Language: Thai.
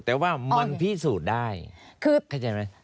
แต่ว่ามันพิสูจน์ได้คือเข้าใจไหม